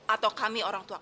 atau kami orang tua